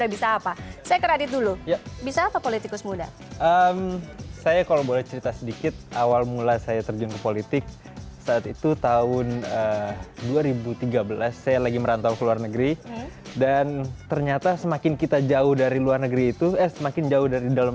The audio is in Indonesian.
berita terkini dari kpum